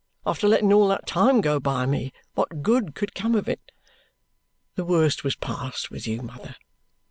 After letting all that time go by me, what good could come of it? The worst was past with you, mother.